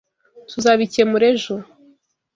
Tuzabikemura ejo.